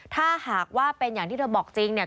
ถ้าหากว่าเป็นอย่างที่เธอบอกจริงเนี่ย